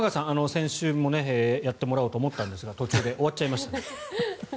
先週もやってもらおうと思ったんですが途中で終わっちゃいましたので。